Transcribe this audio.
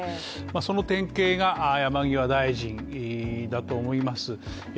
その典型が、山際大臣だと思います。